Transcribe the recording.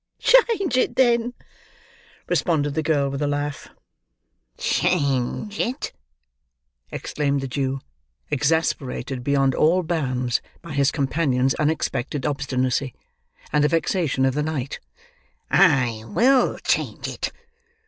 "Change it, then!" responded the girl, with a laugh. "Change it!" exclaimed the Jew, exasperated beyond all bounds by his companion's unexpected obstinacy, and the vexation of the night, "I will change it!